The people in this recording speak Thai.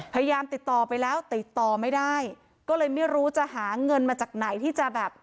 พยายามติดต่อไปแล้วติดต่อไม่ได้ก็เลยไม่รู้จะหาเงินมาจากไหนที่จะแบบ